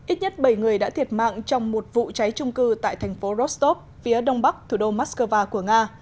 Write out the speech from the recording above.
ít nhất bảy người đã thiệt mạng trong một vụ cháy trung cư tại thành phố rostov phía đông bắc thủ đô moscow của nga